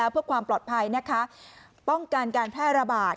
ป้องกันการแพร่ระบาด